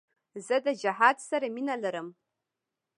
زه د جهاد سره مینه لرم.